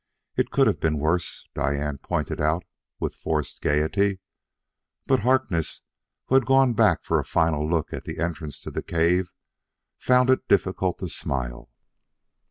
It could have been worse, Diane pointed out with forced gaiety. But Harkness, who had gone back for a final look at the entrance to the cave, found it difficult to smile.